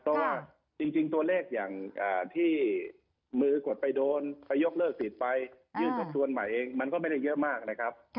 เพราะว่าจริงตัวเลขอย่างที่มือกดไปโดนไปยกเลิกสิทธิ์ไปยื่นทบทวนใหม่เองมันก็ไม่ได้เยอะมากนะครับ